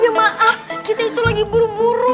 ya maaf kita itu lagi buru buru